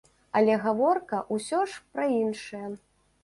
Але гаворка ўсё ж пра іншае.